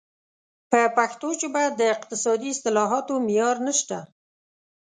په پښتو ژبه د اقتصادي اصطلاحاتو معیار نشته.